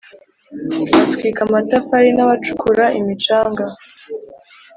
batwika amatafari nabacukura imicanga